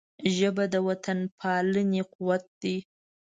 ژبه د وطنپالنې قوت دی